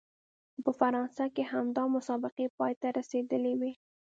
خو په فرانسه کې همدا مسابقې پای ته رسېدلې وې.